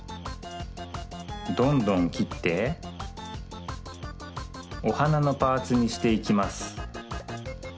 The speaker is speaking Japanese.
どんどんきっておはなのパーツにしていきます。